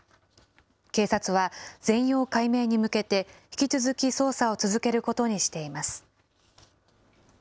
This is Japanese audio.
警察は、全容解明に向けて、引き続き捜査を続けることにしています。